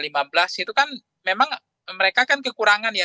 itu kan memang mereka kan kekurangan ya